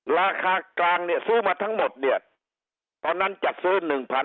ราคากลางเนี่ยซื้อมาทั้งหมดเนี่ยตอนนั้นจัดซื้อ๑๐๐